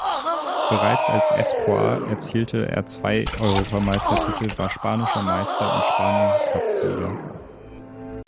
Bereits als Espoir erzielte er zwei Europameistertitel, war Spanischer Meister und Spanien-Cup-Sieger.